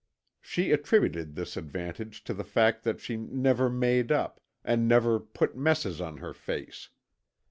She attributed this advantage to the fact that she never made up and never "put messes on her face."